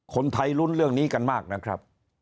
คนไทยลุ้นเรื่องนี้กันมากนะครับ